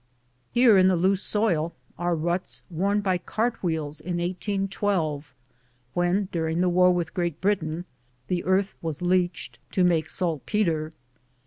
Here in the loose soil are ruts worn by cart wheels in 1812, when, during the war with Great Britain, the earth was leached to make saltpetre.